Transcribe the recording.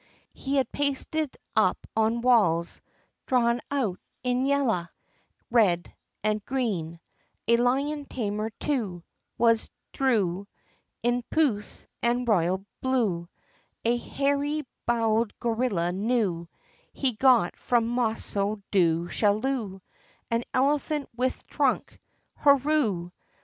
He had it pasted up on walls, dhrawn out in yalla, red, an' green, A lion tamer too Was dhrew, In puce, an' royal blue, A hairy bowld gorilla new, He got from Mossoo Doo Shalloo, An elephant with thrunk, hooroo!